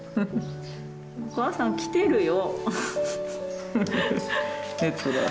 お母さん来てるよ。